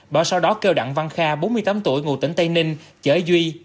bảo sau đó kêu đặng văn kha bốn mươi tám tuổi ngụ tỉnh tây ninh chở duy